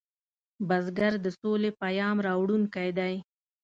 بزګر د سولې پیام راوړونکی دی